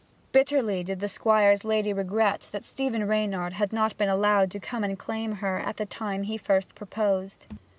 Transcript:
Bitterly did the Squire's lady regret that Stephen Reynard had not been allowed to come to claim her at the time he first proposed.